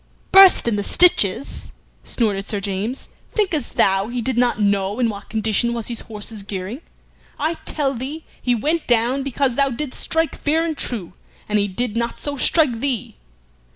"Burst in the stitches!" snorted Sir James. "Thinkest thou he did not know in what condition was his horse's gearing? I tell thee he went down because thou didst strike fair and true, and he did not so strike thee.